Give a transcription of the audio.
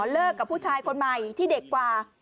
กับผู้ชายคนใหม่ที่เด็กกว่า